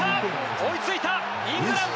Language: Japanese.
追いついた、イングランド！